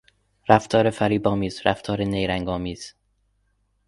رفتار فریبآمیز، رفتار نیرنگآمیز